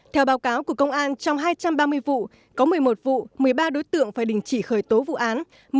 theo báo cáo của công an trong hai trăm ba mươi vụ có một mươi một vụ một mươi ba đối tượng phải đình chỉ khởi tố vụ án